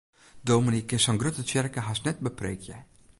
Dominy kin sa'n grutte tsjerke hast net bepreekje.